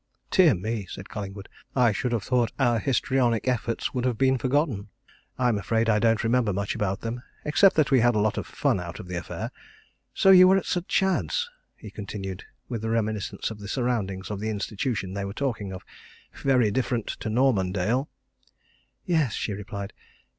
"Dear me!" said Collingwood, "I should have thought our histrionic efforts would have been forgotten. I'm afraid I don't remember much about them, except that we had a lot of fun out of the affair. So you were at St. Chad's?" he continued, with a reminiscence of the surroundings of the institution they were talking of. "Very different to Normandale!" "Yes," she replied.